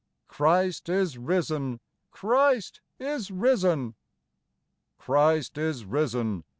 Christ is risen ! Christ is risen ! Christ is risen